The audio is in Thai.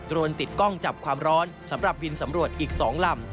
รวมติดกล้องจับความร้อนสำหรับบินสำรวจอีก๒ลำ